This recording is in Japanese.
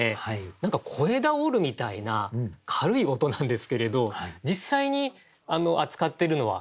何か小枝を折るみたいな軽い音なんですけれど実際に扱ってるのは案山子であると。